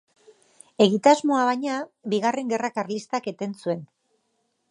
Egitasmoa, baina, Bigarren Gerra Karlistak eten zuen.